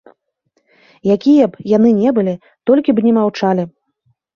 Якія б яны не былі, толькі б не маўчалі.